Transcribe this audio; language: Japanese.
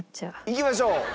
いきましょう！